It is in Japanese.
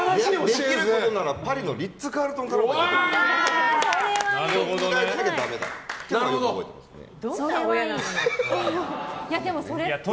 できることならパリのリッツ・カールトンから出てこいと。